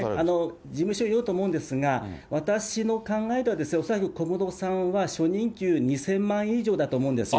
事務所によると思うんですが、私の考えでは、恐らく小室さんは、初任給２０００万円以上だと思うんですよ。